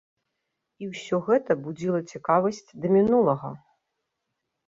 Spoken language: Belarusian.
І ўсё гэта будзіла цікаваць да мінулага.